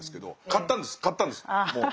買ったんです買ったんですもう。